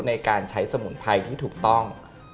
ในการใช้สมุนไพรที่ถูกต้อง